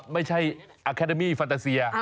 ไม่ใช่นะ